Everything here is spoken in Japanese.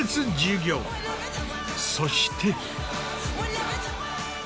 そして。